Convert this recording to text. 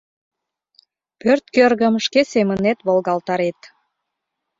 Пӧрткӧргым шке семынет волгалтарет.